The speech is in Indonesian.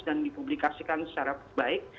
dan dipublikasikan secara baik